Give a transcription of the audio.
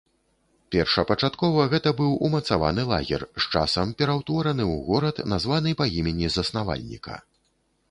Першапачаткова гэта быў умацаваны лагер, з часам пераўтвораны ў горад, названы па імені заснавальніка.